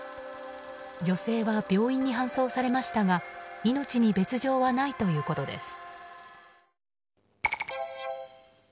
女性は病院に搬送されましたが命に別条はないということです。